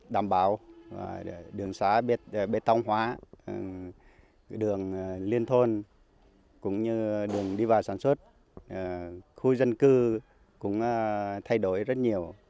đảm bảo đường xá biết bê tông hóa đường liên thôn cũng như đường đi vào sản xuất khu dân cư cũng thay đổi rất nhiều